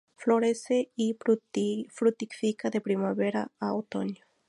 Florece y fructifica de primavera a otoño.